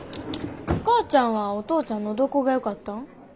お母ちゃんはお父ちゃんのどこがよかったん？